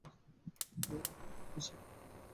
Naina call করছে।